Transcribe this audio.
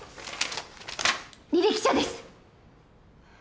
履歴書です！